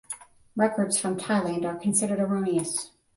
Records from Thailand are considered erroneous.